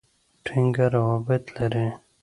ټینګه رابطه لري.